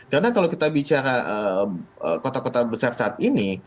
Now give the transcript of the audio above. karena kalau kita bicara kota kota besar saat ini itu sudah susah